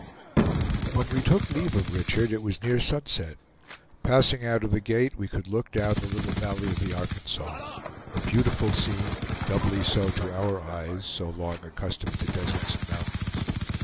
When we took leave of Richard, it was near sunset. Passing out of the gate, we could look down the little valley of the Arkansas; a beautiful scene, and doubly so to our eyes, so long accustomed to deserts and mountains.